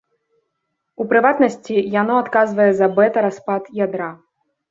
У прыватнасці, яно адказвае за бэта-распад ядра.